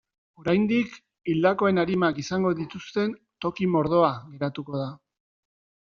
Oraindik, hildakoen arimak izango dituzten toki mordoa geratuko da.